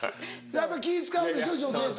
やっぱり気ぃ使うでしょ女性と。